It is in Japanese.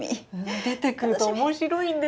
出てくると面白いんです